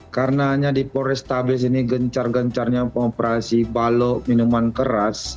karenanya di polrestabes ini gencar gencarnya operasi balok minuman keras